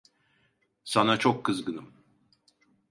Sana çok kızgınım.